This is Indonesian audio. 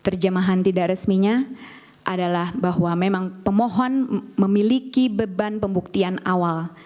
terjemahan tidak resminya adalah bahwa memang pemohon memiliki beban pembuktian awal